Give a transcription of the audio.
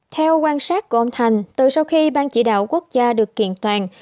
theo quan sát của ông thành từ sau khi ban chỉ đạo quốc gia được kiện toàn